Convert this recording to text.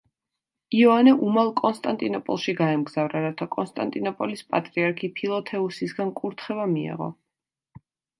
იოანე უმალ კონსტანტინოპოლში გაემგზავრა, რათა კონსტანტინოპოლის პატრიარქი ფილოთეუსისგან კურთღევა მიეღო.